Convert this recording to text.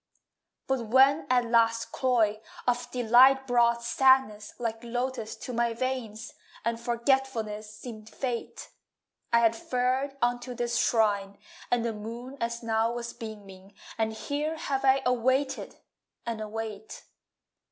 But when at last cloy Of delight brought sadness Like lotus to my veins, And forgetfulness seemed fate, I had fared unto this shrine And the moon as now was beaming, And here have I awaited and await.